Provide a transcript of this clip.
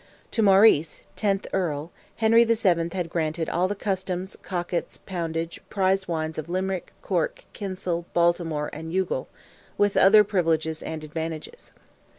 To Maurice, tenth Earl, Henry VII. had granted "all the customs, cockets, poundage, prize wines of Limerick, Cork, Kinsale, Baltimore and Youghal, with other privileges and advantages."